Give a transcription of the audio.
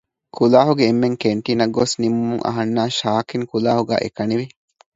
ކުލާހުގެ އެންމެން ކެންޓީނަށް ގޮސް ނިމުމުން އަހަންނާ ޝާކިން ކުލާހުގައި އެކަނިވި